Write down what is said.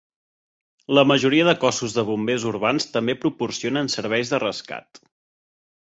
La majoria de cossos de bombers urbans també proporcionen serveis de rescat.